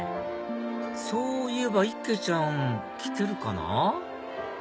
そういえばいっけいちゃん来てるかな？